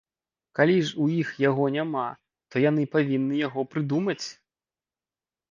Калі ж у іх яго няма, то яны павінны яго прыдумаць!